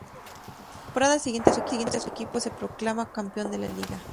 En la temporada siguiente su equipo se proclama campeón de Liga.